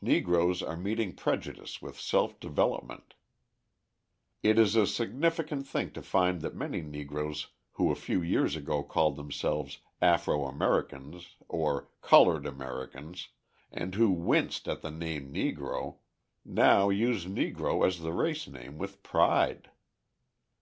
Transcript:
Negroes are meeting prejudice with self development. It is a significant thing to find that many Negroes who a few years ago called themselves "Afro Americans," or "Coloured Americans," and who winced at the name Negro, now use Negro as the race name with pride.